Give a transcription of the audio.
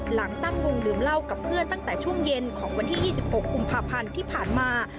หลังตั้งวงดื่มเหล้ากับเพื่อนตั้งแต่ช่วงเย็นของวันที่๒๖กุมภาพันธ์ที่ผ่านมา